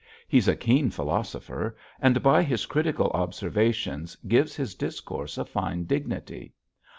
He's a keen philosopher and by his critical observations gives his discourse a fine dignity.